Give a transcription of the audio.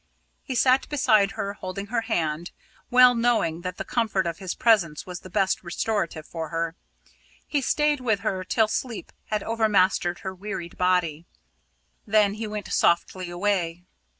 He sat beside her, holding her hand, well knowing that the comfort of his presence was the best restorative for her. He stayed with her till sleep had overmastered her wearied body. Then he went softly away.